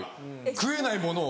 食えないものを。